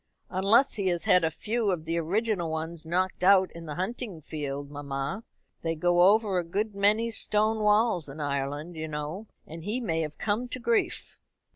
"Unless he has had a few of the original ones knocked out in the hunting field, mamma. They go over a good many stone walls in Ireland, you know, and he may have come to grief."